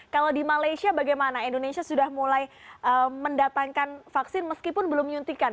kalau di malaysia bagaimana indonesia sudah mulai mendatangkan vaksin meskipun belum nyuntikan